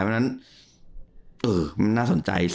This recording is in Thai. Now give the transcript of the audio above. เพราะฉะนั้นมันน่าสนใจสิ